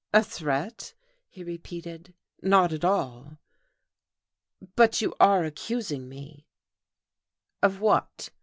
"A threat?" he repeated. "Not at all." "But you are accusing me " "Of what?"